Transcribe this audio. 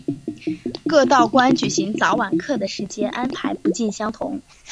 各道观举行早晚课的时间安排不尽相同。